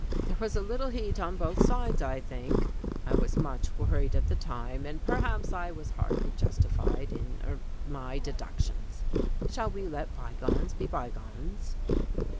There was a little heat on both sides, I think. I was much worried at the time, and perhaps I was hardly justified in er in my deductions. Shall we let bygones be bygones